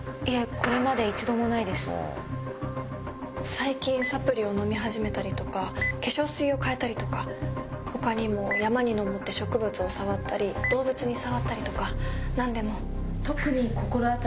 最近サプリを飲み始めたりとか化粧水を替えたりとか他にも山に登って植物を触ったり動物に触ったりとか何でも。